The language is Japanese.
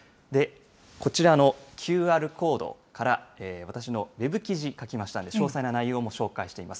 こちらのＱＲコードから、私もウェブ記事書きましたんで、詳細な内容も紹介しています。